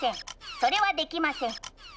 それはできません。